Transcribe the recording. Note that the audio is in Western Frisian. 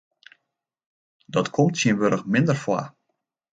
Dat komt tsjintwurdich minder foar.